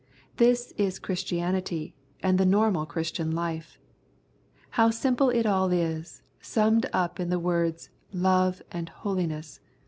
This is Chris tianity and the normal Christian life. How simple it all is, summed up in the words Love and Holiness.